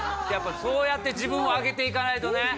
やっぱそうやって自分を上げていかないとね。